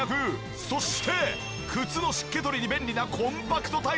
そして靴の湿気取りに便利なコンパクトタイプ。